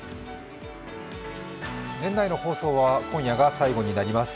年内の放送は今夜が最後になります。